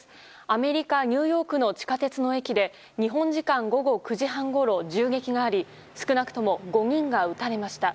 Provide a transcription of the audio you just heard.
アメリカ・ニューヨークの地下鉄の駅で日本時間午後９時半ごろ銃撃があり少なくとも５人が撃たれました。